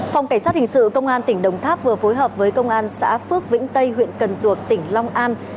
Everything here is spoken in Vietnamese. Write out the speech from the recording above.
phòng cảnh sát hình sự công an tỉnh đồng tháp vừa phối hợp với công an xã phước vĩnh tây huyện cần duộc tỉnh long an